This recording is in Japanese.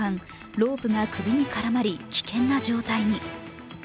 ロープが首に絡まり、危険な状態に。